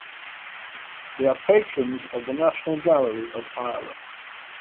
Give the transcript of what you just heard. They are patrons of the National Gallery of Ireland.